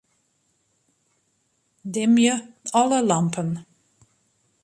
Dimje alle lampen.